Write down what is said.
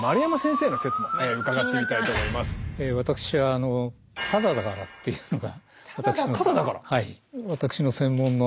私は「タダだから」っていうのが。